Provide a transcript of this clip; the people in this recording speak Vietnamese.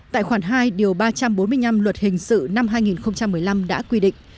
tại khoản hai điều ba trăm bốn mươi năm luật hình sự năm hai nghìn một mươi năm đã quy định